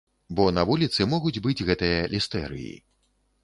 Бо на вуліцы могуць быць гэтыя лістэрыі.